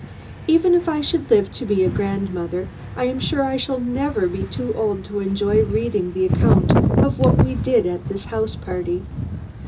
Even if I should live to be a grandmother, I am sure I shall never be too old to enjoy reading the account of what we did at this house party.